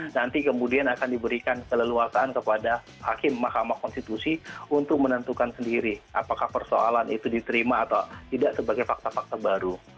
nanti kemudian akan diberikan keleluasaan kepada hakim mahkamah konstitusi untuk menentukan sendiri apakah persoalan itu diterima atau tidak sebagai fakta fakta baru